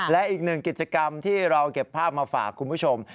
และอีกหนึ่งกิจกรรมที่เราเก็บภาพมาฝากคุณผู้ชม